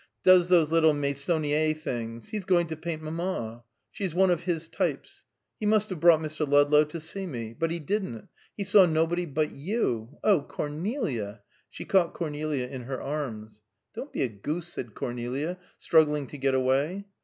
Does those little Meissonier things. He's going to paint mamma. She's one of his types. He must have brought Mr. Ludlow to see me. But he didn't. He saw nobody but you! Oh Cornelia!" She caught Cornelia in her arms. "Don't be a goose!" said Cornelia, struggling to get away.